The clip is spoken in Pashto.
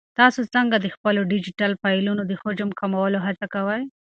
تاسو څنګه د خپلو ډیجیټل فایلونو د حجم د کمولو هڅه کوئ؟